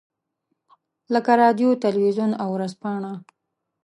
لکه رادیو، تلویزیون او ورځپاڼه.